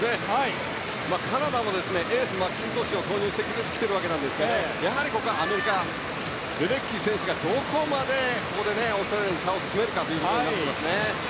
カナダもエースマッキントッシュを投入してきていますがやはりここはアメリカのレデッキー選手がどこまで、ここでオーストラリアに差を詰めるかというところです。